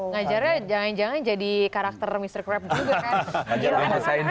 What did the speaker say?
ngajarnya jangan jangan jadi karakter mr crab juga kan